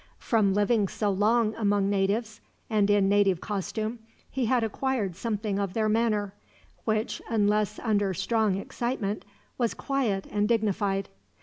From living so long among natives, and in native costume, he had acquired something of their manner; which, unless under strong excitement, was quiet and dignified.